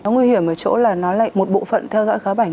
nguy hiểm ở chỗ là nó lại một bộ phận theo dõi khá bảnh